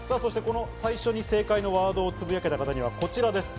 最初に世界のワードをつぶやけた方にはこちらです。